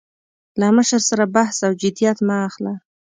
له مشر سره بحث او جدیت مه اخله.